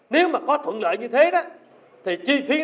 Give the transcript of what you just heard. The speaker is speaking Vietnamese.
nếu mà có thuận lợi như thế thì chi phí nó là